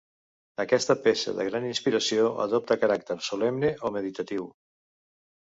Aquesta peça, de gran inspiració, adopta caràcter solemne o meditatiu.